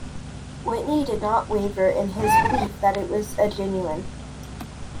Whitney did not waver in his belief that it was genuine.